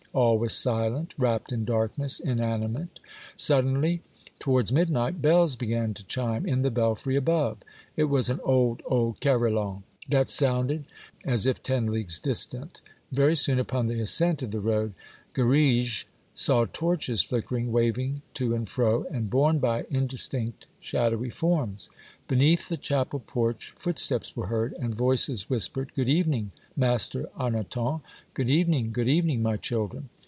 All was silent, wrapped in darkness, inanimate. Sud denly, towards midnight, bells began to chime in the belfry above ; it was an old, old carillon, that sounded as if ten leagues distant. Very soon, upon the ascent of the road, Garrigue saw torches flickering, waving to and fro, and borne by indistinct shadowy forms. Beneath Yule Tide Stories^ 269 the chapel porch footsteps were heard, and voices whispered, —" Good evening, Master Arnoton." " Good ev^ening, good evening, my children."